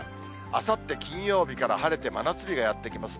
あさって金曜日から晴れて真夏日がやって来ます。